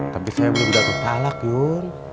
tapi saya belum datang talak yun